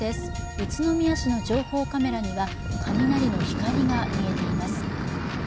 宇都宮市の情報カメラには雷の光が見えています。